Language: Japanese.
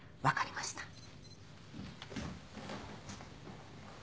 分かりました。